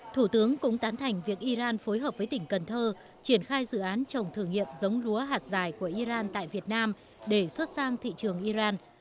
thủ tướng cũng tán thành việc iran phối hợp với tỉnh cần thơ triển khai dự án trồng thử nghiệm giống lúa hạt dài của iran tại việt nam để xuất sang thị trường iran